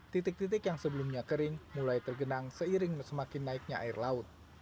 titik titik yang sebelumnya kering mulai tergenang seiring semakin naiknya air laut